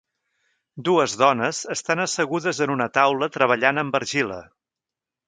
Dues dones estan assegudes en una taula treballant amb argila.